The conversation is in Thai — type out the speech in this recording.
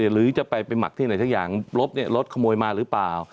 หรือจะไปหมักที่ไหนสักอย่างรถขโมยมาหรือเปล่า